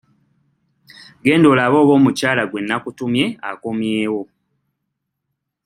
Genda olabe oba omukyala gwe nnakutumye akomyewo.